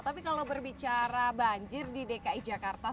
tapi kalau berbicara banjir di dki jakarta